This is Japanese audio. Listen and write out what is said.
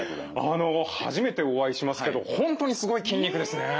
あの初めてお会いしますけど本当にすごい筋肉ですね。